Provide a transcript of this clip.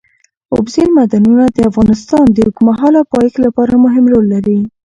اوبزین معدنونه د افغانستان د اوږدمهاله پایښت لپاره مهم رول لري.